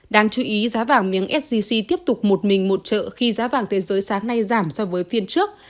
đáng chú ý giá vàng miếng sgc tiếp tục một mình một trợ khi giá vàng thế giới sáng nay giảm so với phiên trước